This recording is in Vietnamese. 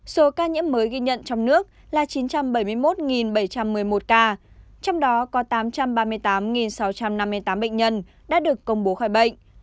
số ca nhiễm mới ghi nhận trong nước là chín trăm bảy mươi một bảy trăm một mươi một ca trong đó có tám trăm ba mươi tám sáu trăm năm mươi tám bệnh nhân đã được công bố khỏi bệnh